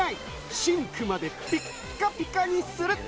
シンクまでピカピカにする。